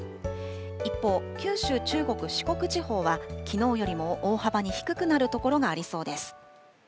一方、九州、中国、四国地方は、きのうよりも大幅に低くなる所がありそうです。